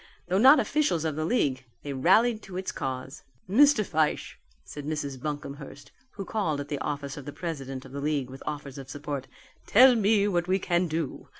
Though not officials of the league they rallied to its cause. "Mr. Fyshe," said Mrs. Buncomhearst, who called at the office of the president of the league with offers of support, "tell me what we can do.